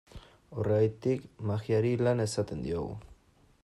Horregatik, magiari lana esaten diogu.